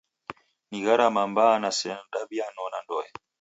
Ni gharama mbaa na sena daw'ianona ndoe.